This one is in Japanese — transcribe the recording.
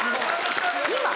今？